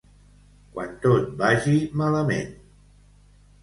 Quan tot vagi malament.